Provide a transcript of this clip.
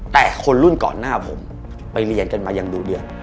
แต่คนรุ่นก่อนหน้าผมไปเรียนกันมาอย่างดูเดือด